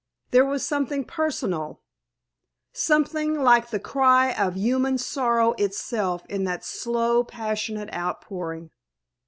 There was something personal something like the cry of human sorrow itself in that slow, passionate outpouring.